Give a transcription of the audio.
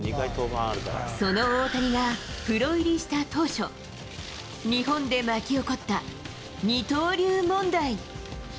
その大谷がプロ入りした当初、日本で巻き起こった二刀流問題。